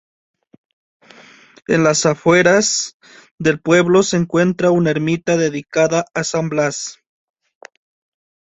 En las afueras del pueblo se encuentra una ermita dedicada a San Blas.